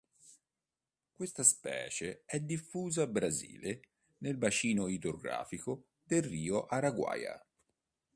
Questa specie è diffusa Brasile, nel bacino idrografico del Rio Araguaia.